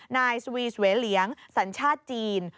นายสวีสเวเหลียงสัญชาติจีน